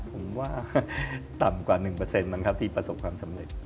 ผมว่าต่ำกว่า๑มันครับที่ประสบความสำเร็จ